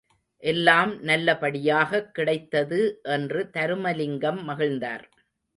எல்லாம் நல்ல படியாகக் கிடைத்தது என்று தருமலிங்கம் மகிழ்ந்தார்.